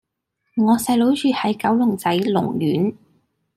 我細佬住喺九龍仔龍苑